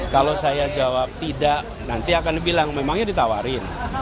kalau saya jawab tidak nanti akan dibilang memangnya ditawarin